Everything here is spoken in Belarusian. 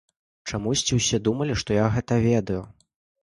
Чамусьці ўсе думалі, што я гэта ведаю.